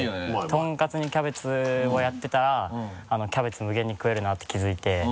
とんかつにキャベツをやってたらキャベツ無限に食えるなって気づいて。